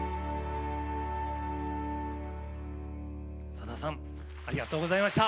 さださんありがとうございました。